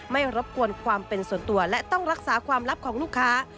รบกวนความเป็นส่วนตัวและต้องรักษาความลับของลูกค้า